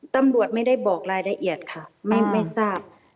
ตำรวจไม่ได้บอกรายละเอียดค่ะไม่ทราบ